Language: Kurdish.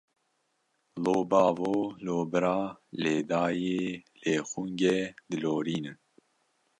Lo bavo, lo bira, lê dayê, lê xungê, dilorînin.